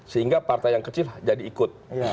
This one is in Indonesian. sehingga partai yang kecil jadi ikut